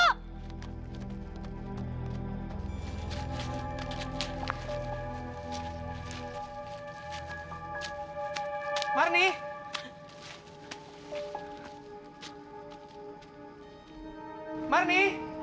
mampu mampu mampu